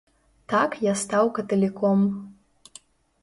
Так я стаў каталіком.